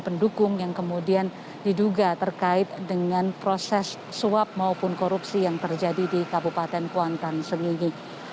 pendukung yang kemudian diduga terkait dengan proses suap maupun korupsi yang terjadi di kabupaten kuantan sengingi